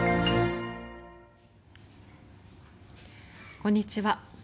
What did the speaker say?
こんにちは。